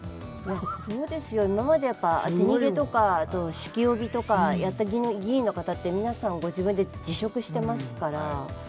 そうですよ、当て逃げとか酒気帯びとかやった議員の方は皆さんご自分で辞職していますから。